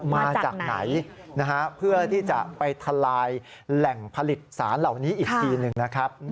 มาจากไหนนะฮะเพื่อที่จะไปทลายแหล่งผลิตสารเหล่านี้อีกทีหนึ่งนะครับ